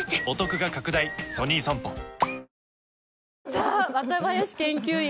さあ若林研究員